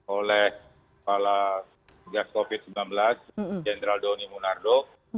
oleh kepala bidang penanganan kesehatan satgas covid sembilan belas jendral doni munardo